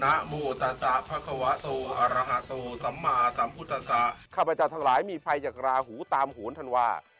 นะมูตาตาภาควาตูอราฮาตูสัมมาสัมพุทธศาสตร์ข้าพเจ้าทั้งหลายมีภัยจากราหูตามหวนท่านว่า